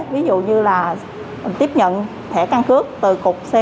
ví dụ như là tiếp nhận thẻ căn cước từ cục c sáu trả về